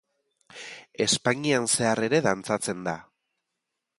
Espainian zehar ere dantzatzen da.